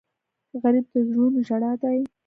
غریب د زړونو ژړا دی